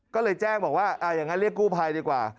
ก็เลยแจ้งบอกว่าอย่างนั้นเรียกกู้ภัยดีกว่า